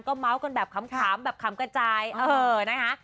เมาส์กันแบบขำแบบขำกระจายเออนะคะ